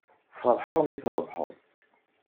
Ferḥeɣ imi trebḥeḍ.